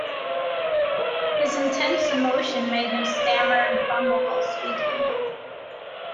His intense emotion made him stammer and fumble while speaking.